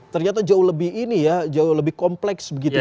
ternyata jauh lebih ini ya jauh lebih kompleks begitu ya